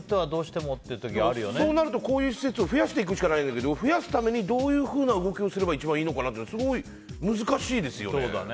そうなるとこういう施設を増やしていかないといけないけど増やすためにはどういうふうな動きをすれば一番いいのかなって難しいですよね。